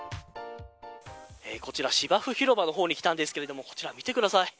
こちら、芝生広場の方に来たんですけれど見てください。